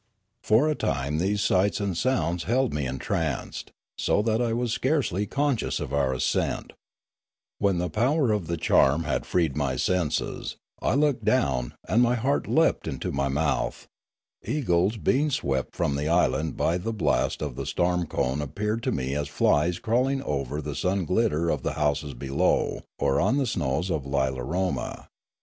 For a time these sights and sounds held me en tranced, so that I was scarcely conscious of our ascent. Journey to the Valley of Memories 57 When the power of the charm had freed my senses, I looked down, and my heart leapt into my mouth; eagles being swept from the island by the blast of the storm cone appeared to me as flies crawling over the sun glitter of the houses below or on the snows of Lilaroma.